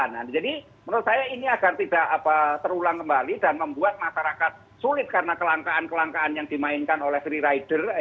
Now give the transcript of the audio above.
nah jadi menurut saya ini agar tidak terulang kembali dan membuat masyarakat sulit karena kelangkaan kelangkaan yang dimainkan oleh free rider